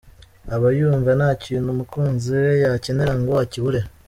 Aba yumva nta kintu umukunzi we yakenera ngo akibure.